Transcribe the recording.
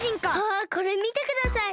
あこれみてください！